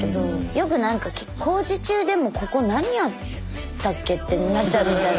よくなんか工事中でもここ何あったっけってなっちゃうみたいな。